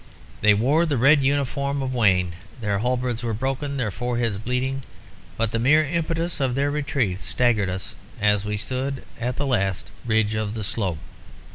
They wore the red uniform of Wayne; their halberds were broken; their foreheads bleeding; but the mere impetus of their retreat staggered us as we stood at the last ridge of the slope.